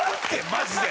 マジで。